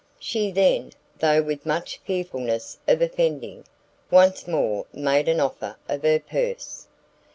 She then, though with much fearfulness of offending, once more made an offer of her purse.